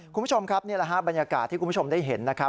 คุณผู้ชมครับนี่แหละฮะบรรยากาศที่คุณผู้ชมได้เห็นนะครับ